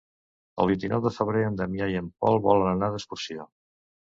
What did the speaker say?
El vint-i-nou de febrer en Damià i en Pol volen anar d'excursió.